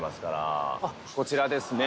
こちらですね。